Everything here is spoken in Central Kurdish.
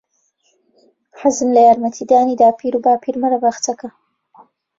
حەزم لە یارمەتیدانی داپیر و باپیرمە لە باخچەکە.